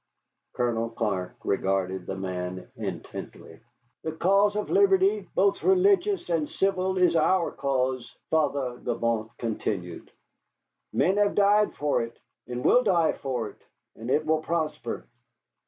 Colonel Clark regarded the man intently. "The cause of liberty, both religious and civil, is our cause," Father Gibault continued. "Men have died for it, and will die for it, and it will prosper.